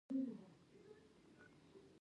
دا هغه لاسته راوړنه ده، چې زموږ د ټولنې لپاره